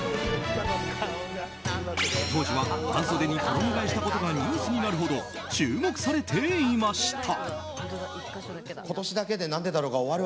当時は半袖に衣替えしたことがニュースになるほど注目されていました。